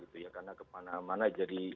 karena kemana mana jadi